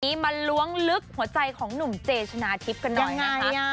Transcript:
วันนี้มาล้วงลึกหัวใจของหนุ่มเจชนะทิพย์กันบ้างนะคะ